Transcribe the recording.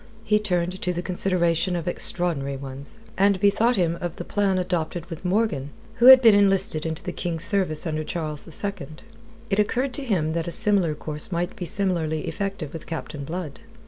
He turned to the consideration of extraordinary ones, and bethought him of the plan adopted with Morgan, who had been enlisted into the King's service under Charles II. It occurred to him that a similar course might be similarly effective with Captain Blood.